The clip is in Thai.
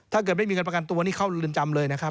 ถ้าเกิดไม่มีเงินประกันตัวนี่เข้าเรือนจำเลยนะครับ